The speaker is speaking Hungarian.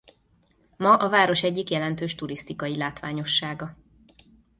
Ma a város egyik jelentős turisztikai látványossága.